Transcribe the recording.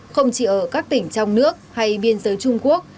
không chỉ ở các tỉnh trong nước hay biên giới trung quốc